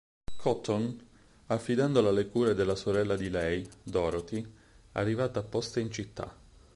Cotton, affidandola alle cure della sorella di lei, Dorothy, arrivata apposta in città.